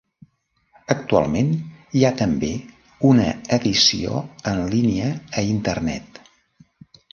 Actualment hi ha també una edició en línia a Internet.